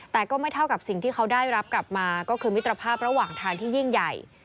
แต่ก็ไม่เท่ากับสิ่งที่เขาได้รับกลับมาก็คือมิตรภาพระหว่างทางที่ยิ่งใหญ่